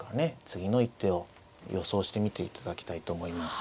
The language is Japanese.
次の一手を予想してみていただきたいと思います。